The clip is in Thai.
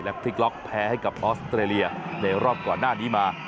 พลิกล็อกแพ้ให้กับออสเตรเลียในรอบก่อนหน้านี้มา